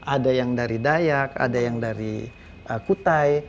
ada yang dari dayak ada yang dari kutai